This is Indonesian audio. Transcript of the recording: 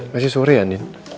masih sore ya din